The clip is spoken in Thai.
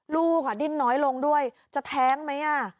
ดิ้นน้อยลงด้วยจะแท้งไหม